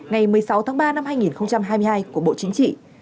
ngày một mươi sáu tháng ba năm hai nghìn hai mươi hai của bộ chính trị